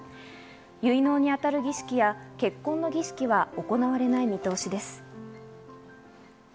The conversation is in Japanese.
結納にあたる儀式や結婚の儀式は行われない見通しです。